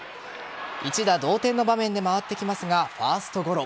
一打同点の場面で回ってきますがファーストゴロ。